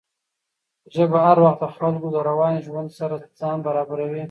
ژبه هر وخت د خلکو له روان ژوند سره ځان برابروي.